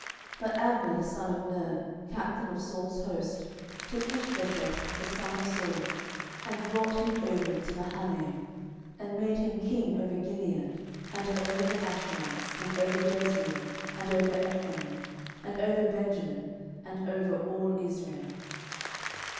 10:002:008 But Abner the son of Ner, captain of Saul's host, took Ishbosheth the son of Saul, and brought him over to Mahanaim; 10:002:009 And made him king over Gilead, and over the Ashurites, and over Jezreel, and over Ephraim, and over Benjamin, and over all Israel.